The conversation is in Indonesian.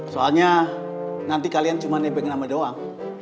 soalnya nanti kalian cuma nepengin nama doang